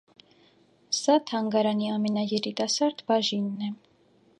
Սա թանգարանի ամենաերիտասարդ բաժինն է։